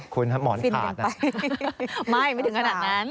คุณม้อนขาดน่ะฟินกันไปมายไม่ถึงขนาดนั้น